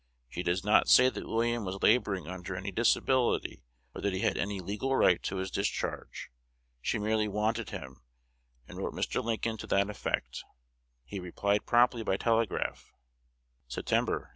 She does not say that William was laboring under any disability, or that he had any legal right to his discharge. She merely "wanted" him, and wrote Mr. Lincoln to that effect. He replied promptly by telegraph: September, 1863.